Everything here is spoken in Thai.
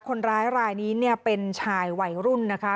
คนร้ายรายนี้เนี่ยเป็นชายวัยรุ่นนะคะ